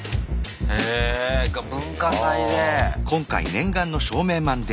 へえ文化祭で。